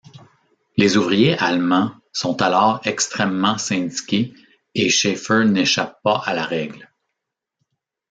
Les ouvriers allemands sont alors extrêmement syndiqués et Schaefer n'échappe pas à la règle.